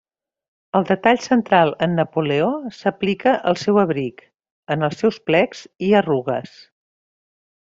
El detall central en Napoleó s'aplica al seu abric, en els seus plecs i arrugues.